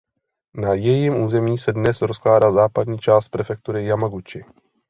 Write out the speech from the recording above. Na jejím území se dnes rozkládá západní část prefektury Jamaguči.